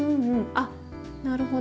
あっなるほど。